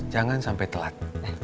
jangan sampai telat